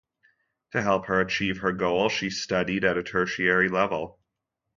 To help her achieve her goal she studied at a tertiary level.